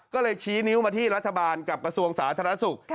ก็เลยชี้นิ้วมาที่รัฐบาลกับกระทรวงสาธารณสุข